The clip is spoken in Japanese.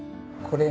これ？